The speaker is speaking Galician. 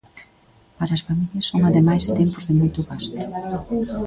Para as familias son ademais tempos de moito gasto.